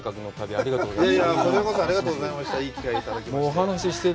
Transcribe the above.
ありがとうございます。